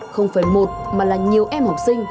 không phải một mà là nhiều em học sinh